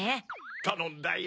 たのんだよ。